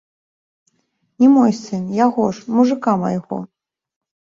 Не мой сын, яго ж, мужыка майго.